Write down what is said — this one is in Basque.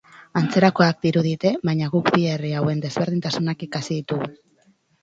Antzerakoak dirudite, baina guk bi herri hauen desberdintasunak ikasi ditugu!